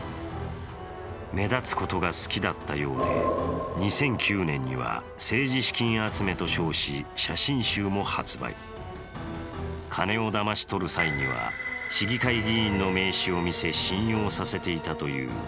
目立つことが好きだったようで、２００９年には政治資金集めと称し、写真集も発売金をだまし取る際には市議会議員の名刺を見せ信用させていたという。